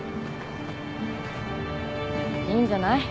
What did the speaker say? いいんじゃない？